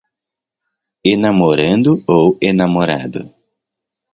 enamorando ou enamorado